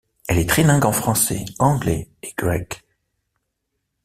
Elle est trilingue en français, anglais et grec.